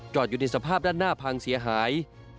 อยู่ในสภาพด้านหน้าพังเสียหาย